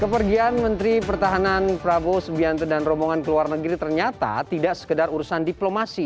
kepergian menteri pertahanan prabowo sibianto dan romongan keluar negeri ternyata tidak sekedar urusan diplomasi